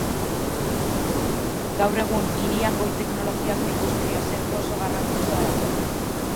Gaur egun, hirian goi-teknologiako industria zentro oso garrantzitsua dago.